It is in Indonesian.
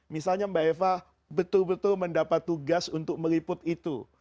misalnya mbak eva betul betul mendapat tugas untuk meliput itu